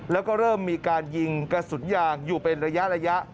แล้วก็เริ่มมีการยิงกระสุนยางอยู่เป็นระยะ